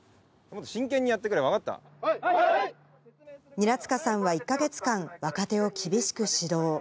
韮塚さんは１か月間、若手を厳しく指導。